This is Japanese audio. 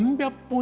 ３００本！？